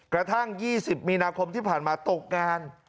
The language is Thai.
กระทั่ง๒๐มีนาคมที่ผ่านมาตกงาน